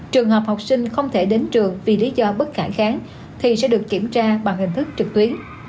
trường hợp học sinh không thể đến trường vì lý do bất khả kháng thì sẽ được kiểm tra bằng hình thức trực tuyến